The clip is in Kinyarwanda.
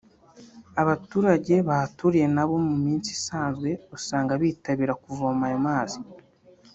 Abaturage bahaturiye nabo mu minsi isanzwe usanga bitabira kuvoma ayo mazi